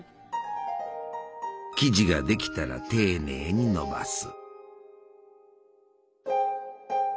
生地ができたら丁寧にのばす。